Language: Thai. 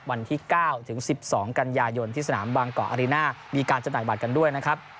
วันที่เก้าถึงสิบสองกันยายนที่สนามบางก่ออาริน่ามีการจัดหน่อยบัตรกันด้วยนะครับ